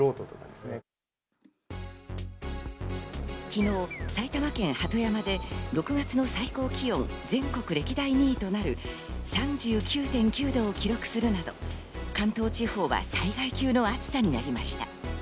昨日、埼玉県鳩山で６月の最高気温全国歴代２位となる３９．９度を記録するなど関東地方は災害級の暑さになりました。